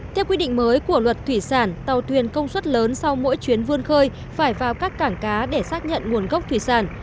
theo quy định mới của luật thủy sản tàu thuyền công suất lớn sau mỗi chuyến vươn khơi phải vào các cảng cá để xác nhận nguồn gốc thủy sản